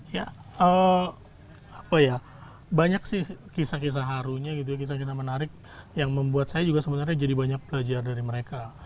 ya apa ya banyak sih kisah kisah harunya gitu ya kisah kisah menarik yang membuat saya juga sebenarnya jadi banyak belajar dari mereka